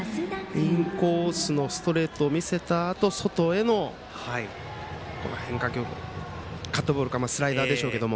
インコースのストレートを見せたあと、外への変化球カットボールかスライダーでしょうけど。